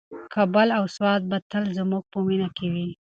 کابل او سوات به تل زموږ په مینه کې وي.